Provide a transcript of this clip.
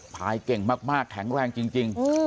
พายเก่งมากแข็งแรงจริง